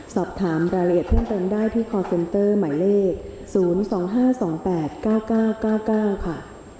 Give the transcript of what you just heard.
สอบถามรายละเอียดเพิ่มเติมได้ที่คอร์เซนเตอร์หมายเลข๐๒๕๒๘๙๙๙๙๙๙ค่ะ